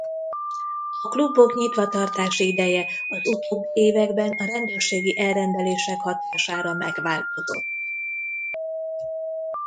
A klubok nyitvatartási ideje az utóbbi években a rendőrségi elrendelések hatására megváltozott.